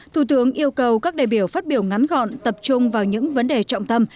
thủ tướng yêu cầu các đại biểu phát biểu ngắn gọn tập trung vào những vấn đề trọng tâm